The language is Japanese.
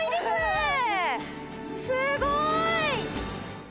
すごい！